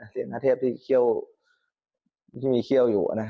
เศียรหน้าเทพที่เขี้ยวที่มีเขี้ยวอยู่นะ